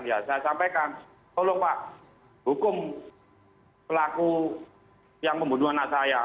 ya saya sampaikan tolong pak hukum pelaku yang membunuh anak saya